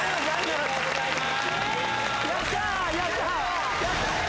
ありがとうございます。